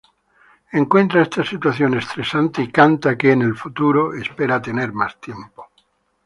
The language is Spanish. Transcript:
Encuentra esta situación estresante y canta que, en el futuro, espera tener más tiempo.